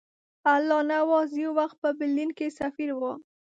الله نواز یو وخت په برلین کې سفیر وو.